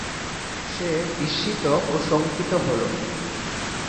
সে বিস্মিত ও শঙ্কিত হল।